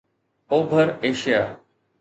اوڀر ايشيا